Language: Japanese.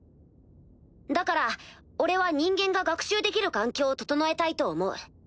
だから俺は人間が学習できる環境を整えたいと思う。